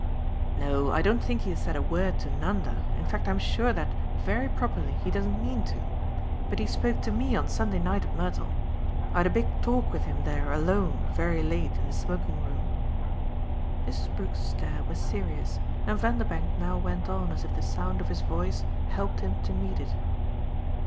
"No, I don't think he has said a word to Nanda in fact I'm sure that, very properly, he doesn't mean to. But he spoke to me on Sunday night at Mertle I had a big talk with him there alone, very late, in the smoking room." Mrs. Brook's stare was serious, and Vanderbank now went on as if the sound of his voice helped him to meet it.